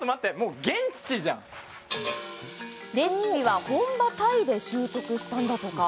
レシピは本場タイで習得したんだとか。